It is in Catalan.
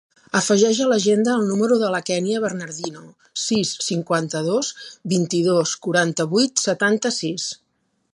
Afegeix a l'agenda el número de la Kènia Bernardino: sis, cinquanta-dos, vint-i-dos, quaranta-vuit, setanta-sis.